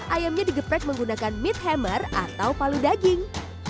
ayamnya digeprek menggunakan meat hammer atau palu daging